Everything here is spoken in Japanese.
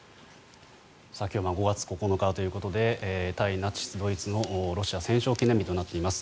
今日は５月９日ということで対ナチス・ドイツのロシア戦勝記念日となっています。